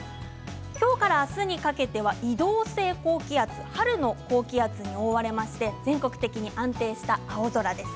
今日から明日にかけては移動性高気圧、春の高気圧に覆われて全国的に安定した青空です。